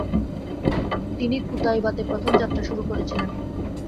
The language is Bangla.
তিনি কুতাইবাতে প্রথম যাত্রা শুরু করেছিলেন ।